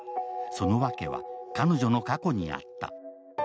その訳は彼女の過去にあった。